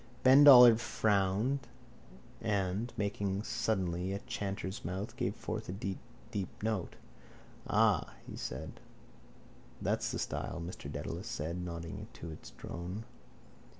Ben Dollard frowned and, making suddenly a chanter's mouth, gave forth a deep note. —Aw! he said. —That's the style, Mr Dedalus said, nodding to its drone.